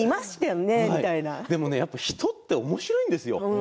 でもね人っておもしろいんですよ。